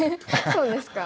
そうですか？